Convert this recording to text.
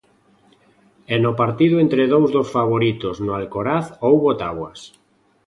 E no partido entre dous dos favoritos no Alcoraz houbo táboas.